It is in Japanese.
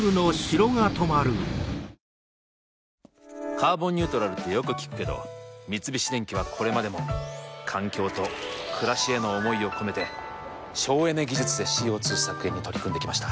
「カーボンニュートラル」ってよく聞くけど三菱電機はこれまでも環境と暮らしへの思いを込めて省エネ技術でＣＯ２削減に取り組んできました。